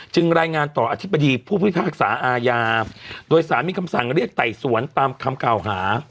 รายงานต่ออธิบดีผู้พิพากษาอาญาโดยสารมีคำสั่งเรียกไต่สวนตามคำกล่าวหา